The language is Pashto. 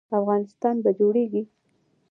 افغانستان به جوړیږي؟